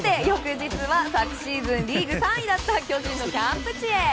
翌日は昨シーズンリーグ３位だった巨人のキャンプ地へ。